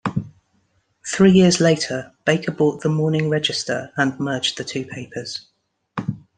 Three years later, Baker bought the "Morning Register" and merged the two papers.